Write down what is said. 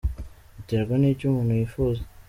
Biterwa nicyo umuntu yifuza